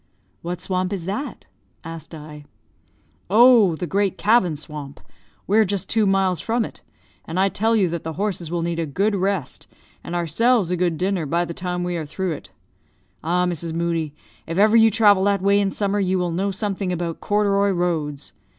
"What swamp is that?" asked I. "Oh, the great Cavan swamp. We are just two miles from it; and I tell you that the horses will need a good rest, and ourselves a good dinner, by the time we are through it. Ah, Mrs. Moodie, if ever you travel that way in summer, you will know something about corduroy roads.